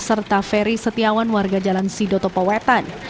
serta ferry setiawan warga jalan sidoto pawetan